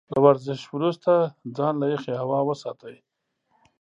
له ورزش وروسته ځان له يخې هوا وساتئ.